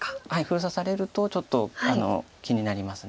封鎖されるとちょっと気になります。